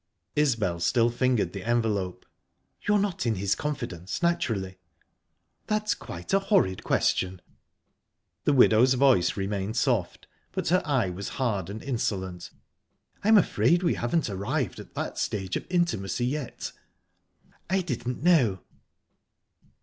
Isbel still fingered the envelope. "You're not in his confidence, naturally?" "That's quite a horrid question!" The widow's voice remained soft, but her eye was hard and insolent. "I'm afraid we haven't arrived at that stage of intimacy yet." "I didn't know."